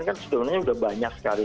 karena kan sudah banyak sekali